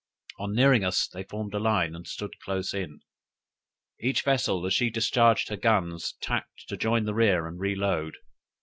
On nearing us, they formed a line, and stood close in; each vessel, as she discharged her guns, tacked to join the rear and reload.